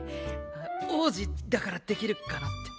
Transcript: あっ王子だからできるかなって。